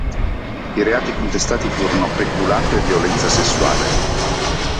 I reati contestati furono peculato e violenza sessuale.